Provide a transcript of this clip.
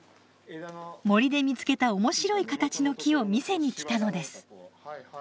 森で見つけた面白い形の木を見せに来たのです。